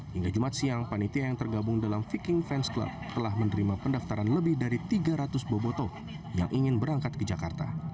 hingga jumat siang panitia yang tergabung dalam viking fans club telah menerima pendaftaran lebih dari tiga ratus boboto yang ingin berangkat ke jakarta